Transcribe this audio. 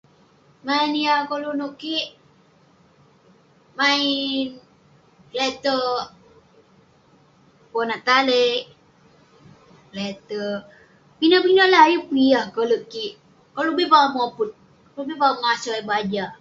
Maen yah koluk nouk kik, maen leterk ponat taliek, leterk pinek pinek lah yeng pun yah koleg kik. Koluk bi peh akouk moput, koluk bi peh akouk mengase ayuk baja.